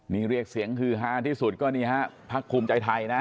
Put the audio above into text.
นี่เรียกเสียงฮือฮาที่สุดก็นี่ฮะพักภูมิใจไทยนะ